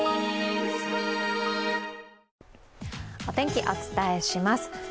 お天気、お伝えします。